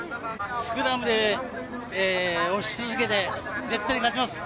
スクラムで押し続けて絶対勝ちます。